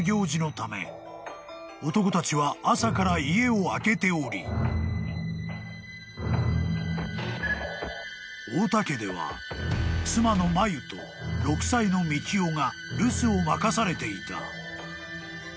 ［男たちは朝から家を空けており］［太田家では妻のマユと６歳の幹雄が留守を任されていた］